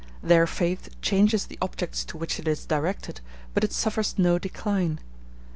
Their faith changes the objects to which it is directed, but it suffers no decline.